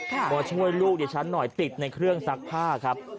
มาช่วยลูกดิฉันหน่อยติดในเครื่องซักผ้าครับ